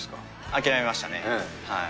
諦めましたね。